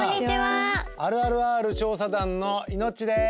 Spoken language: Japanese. あるあるＲ調査団のイノッチです！